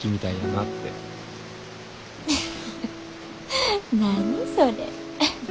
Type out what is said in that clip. フフフフ何それ。